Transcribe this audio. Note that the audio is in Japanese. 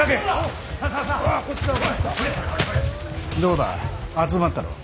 どうだ集まったろう。